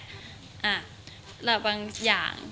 อ่ะแล้วบางอย่าง